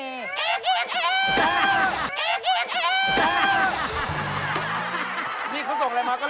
เอ๊กเอ๊ก